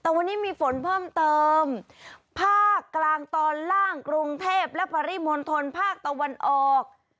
แต่วันนี้มีฝนเพิ่มเติมภาคกลางตอนล่างกรุงเทพและปริมณฑลภาคตะวันออก